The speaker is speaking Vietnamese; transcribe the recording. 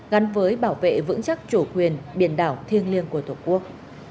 gắn với bảo vệ vững chắc chủ quyền biển đảo thiêng liêng của tổ quốc